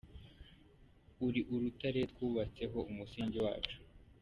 Uri urutare twubatse ho umusingi wacu.